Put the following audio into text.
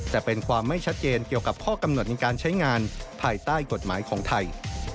แต่เป็นความไม่ชัดเจนเกี่ยวกับข้อกำหนดในการใช้งานภายใต้กฎหมายของไทย